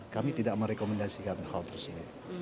kami tidak merekomendasikan hal tersebut